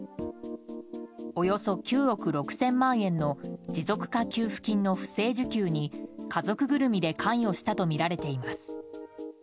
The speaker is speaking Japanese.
およそ９億６０００万円の持続化給付金の不正受給に家族ぐるみで関与したとみられています。